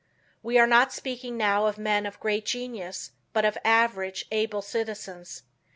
We are not speaking now of men of great genius, but of average, able citizens.